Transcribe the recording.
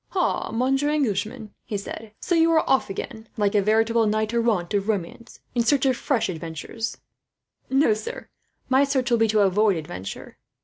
"Ah, monsieur the Englishman," he said; "so you are off again, like a veritable knight errant of romance, in search of fresh adventure." "No, sir, my search will be to avoid adventure."